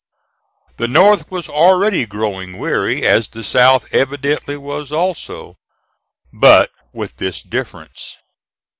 The North was already growing weary, as the South evidently was also, but with this difference.